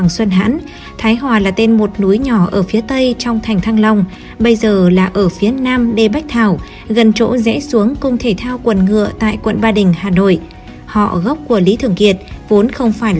xin chào và hẹn gặp lại